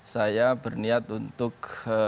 saya berniat untuk